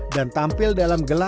dan tampil dalam gelaran